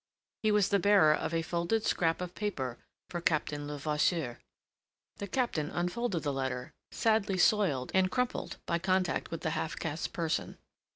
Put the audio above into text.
He was the bearer of a folded scrap of paper for Captain Levasseur. The Captain unfolded the letter, sadly soiled and crumpled by contact with the half caste's person.